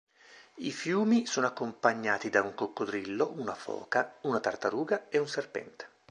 I fiumi sono accompagnati da un coccodrillo, una foca, una tartaruga e un serpente.